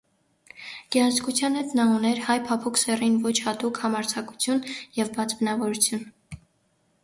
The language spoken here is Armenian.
Գեղեցկության հետ նա ուներ հայ փափուկ սեռին ոչ հատուկ համարձակություն և բաց բնավորություն: